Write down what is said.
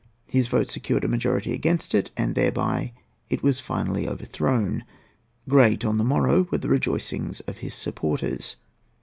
His vote secured a majority against it, and thereby it was finally overthrown. Great, on the morrow, were the rejoicings of his supporters.